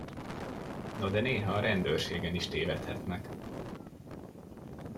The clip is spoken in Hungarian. No de néha a rendőrségen is tévedhetnek.